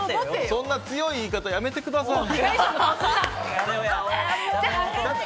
そんな強い言い方やめてください！